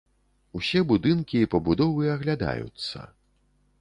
Усе будынкі і пабудовы аглядаюцца.